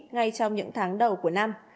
ngay trong những tháng đầu của năm